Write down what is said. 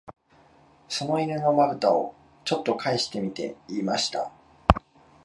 その犬の眼ぶたを、ちょっとかえしてみて言いました